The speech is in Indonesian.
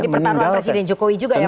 jadi pertarungan presiden jokowi juga ya